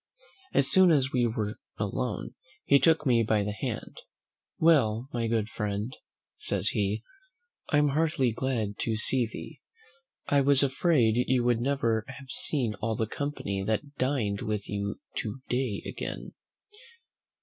As soon as we were alone, he took me by the hand; "Well, my good friend," says he, "I am heartily glad to see thee: I was afraid you would never have seen all the company that dined with you to day again.